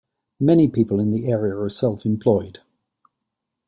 Many people in the area are self-employed.